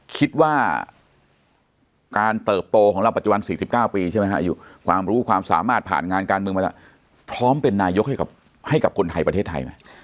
คิดว่าการเติบโตของเราปัจจุบัน๔๙ปีใช่ไหมฮะอยู่ความรู้ความสามารถผ่านงานการเมืองมาพร้อมเป็นนายกให้กับคนไทยประเทศไทยไหม